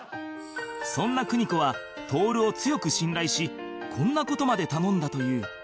そんな邦子は徹を強く信頼しこんな事まで頼んだという